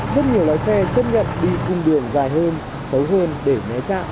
rất nhiều loại xe chấp nhận đi cùng đường dài hơn xấu hơn để né trạng